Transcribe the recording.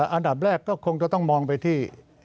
อันดับแรกก็คงจะต้องมองไปที่